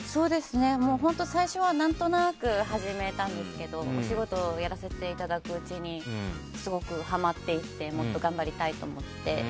本当、最初は何となく始めたんですけどお仕事やらせていただくうちにすごくはまっていってもっと頑張りたいと思って。